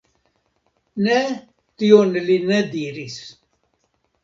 Ne, tion li ne diris.